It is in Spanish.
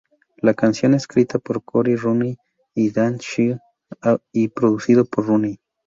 La canción escrita por "Cory Rooney" y "Dan Shea", y producido por Rooney.